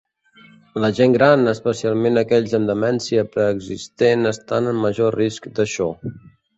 La gent gran, especialment aquells amb demència preexistent estan en major risc d'això.